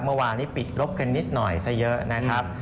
เมื่อวานนี้ปิดลบกันนิดหน่อยซะเยอะนะครับ